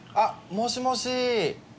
「もしもし」